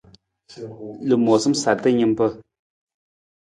Lamoosam sarta nimpa.